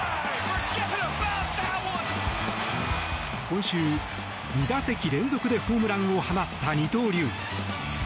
今週、２打席連続でホームランを放った二刀流。